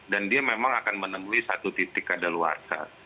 dan dia memang akan menemui satu titik kadaluarsa